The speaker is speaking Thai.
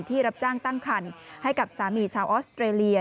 รับจ้างตั้งคันให้กับสามีชาวออสเตรเลีย